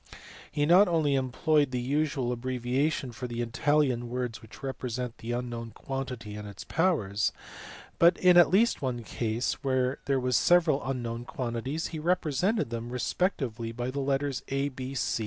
He not only employed the usual abbreviations for the Italian words which represent the unknown quantity and its powers, but in at least one case when there were several unknown quantities he represented them respectively by the letters A, B, C, &c.